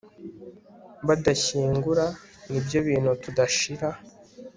badashyingura nibyo bintu tudashira